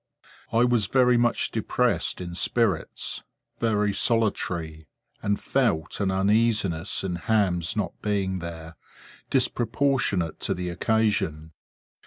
I was very much depressed in spirits; very solitary; and felt an uneasiness in Ham's not being there, disproportionate to the occasion.